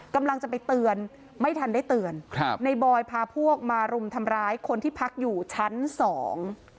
กำลังจะไปเตือนไม่ทันได้เตือนครับในบอยพาพวกมารุมทำร้ายคนที่พักอยู่ชั้นสอง